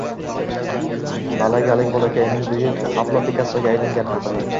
Malagalik bolakayning buyuk Pablo Pikassoga aylangani haqida